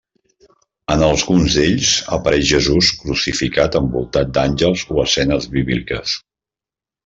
En alguns d'ells apareix Jesús crucificat envoltat d'àngels o escenes bíbliques.